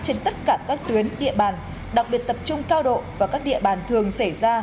trên tất cả các tuyến địa bàn đặc biệt tập trung cao độ vào các địa bàn thường xảy ra